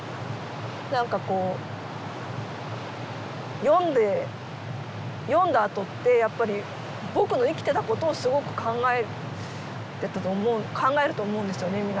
何かこう読んで読んだあとってやっぱり「ぼく」の生きてたことをすごく考えると思うんですよね